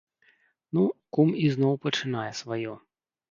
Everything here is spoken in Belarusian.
Ну, кум ізноў пачынае сваё!